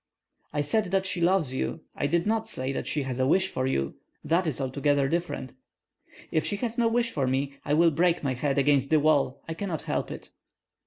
"I said that she loves you; I did not say that she has a wish for you, that is altogether different." "If she has no wish for me, I will break my head against the wall; I cannot help it."